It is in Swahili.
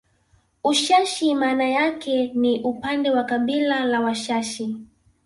Ushashi maana yake ni upande wa kabila la Washashi